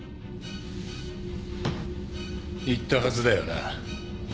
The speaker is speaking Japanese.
言ったはずだよな。